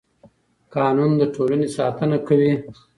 قانون د ټولنې ساتنه کوي